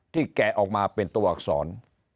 แกะออกมาเป็นตัวอักษร